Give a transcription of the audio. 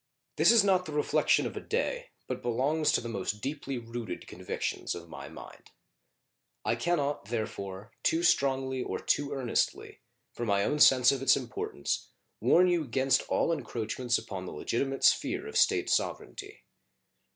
This is not the reflection of a day, but belongs to the most deeply rooted convictions of my mind. I can not, therefore, too strongly or too earnestly, for my own sense of its importance, warn you against all encroachments upon the legitimate sphere of State sovereignty.